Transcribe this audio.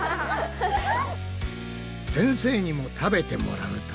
先生にも食べてもらうと。